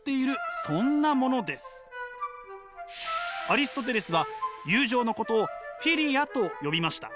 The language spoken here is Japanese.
アリストテレスは友情のことをフィリアと呼びました。